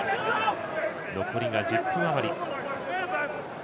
残りは１０分余り。